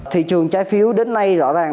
thị trường trái phiếu đến nay rõ ràng